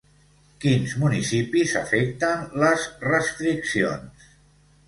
Quins municipis afecten les restriccions?